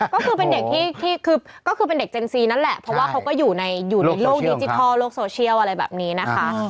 ก็คือเป็นเด็กที่คือก็คือเป็นเด็กเจนซีนั่นแหละเพราะว่าเขาก็อยู่ในโลกดิจิทัลโลกโซเชียลอะไรแบบนี้นะคะ